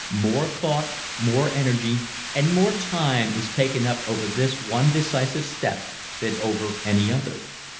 More thought, more energy and more time is taken up over this one decisive step than over any other.